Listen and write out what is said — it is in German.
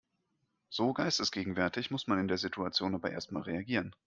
So geistesgegenwärtig muss man in der Situation aber erstmal reagieren.